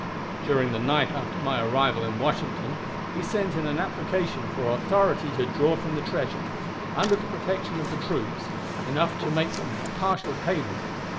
During the night after my arrival in Washington, he sent in an application for authority to draw from the treasure, under the protection of the troops, enough to make to them a partial payment.